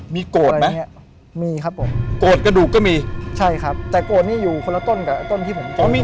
มีโกรธไหมมีครับผมโกรธกระดูกก็มีใช่ครับแต่โกรธนี่อยู่คนละต้นกับต้นที่ผมมี